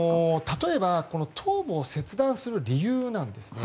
例えば頭部を切断する理由なんですね。